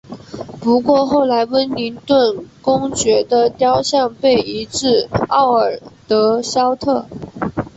不过后来威灵顿公爵的雕像被移至奥尔德肖特。